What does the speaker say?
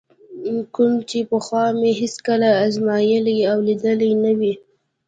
کوم چې پخوا مې هېڅکله ازمایلی او لیدلی نه وي.